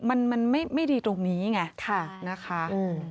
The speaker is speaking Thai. มันไม่ดีตรงนี้ไงนะคะค่ะ